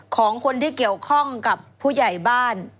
ของคนที่เกี่ยวข้องกับผู้ใหญ่บ้าน